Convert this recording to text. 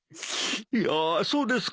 いやそうですかね。